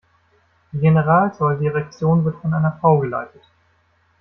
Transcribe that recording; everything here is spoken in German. Die Generalzolldirektion wird von einer Frau geleitet.